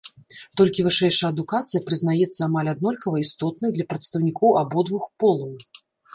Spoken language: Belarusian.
Толькі вышэйшая адукацыя прызнаецца амаль аднолькава істотнай для прадстаўнікоў абодвух полаў.